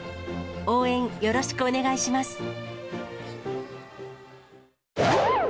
応援よろしくお願いします。